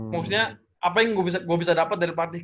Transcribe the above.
maksudnya apa yang gue bisa dapet dari